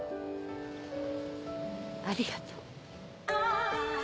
ありがとう。